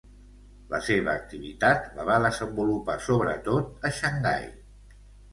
La seva activitat la va desenvolupar sobretot a Xangai.